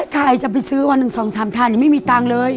ใครจะไปซื้อ๑๒ทางทานยังไม่มีตังค์เลย